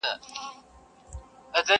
شپې به سوځي په پانوس کي په محفل کي به سبا سي،